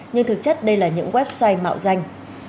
nhưng thực chất đây là những website mạo danh